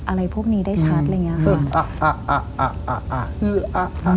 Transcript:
อะไรพวกนี้ได้ชัดเลยง่ะค่ะ